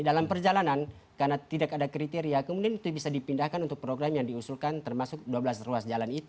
dalam perjalanan karena tidak ada kriteria kemudian itu bisa dipindahkan untuk program yang diusulkan termasuk dua belas ruas jalan itu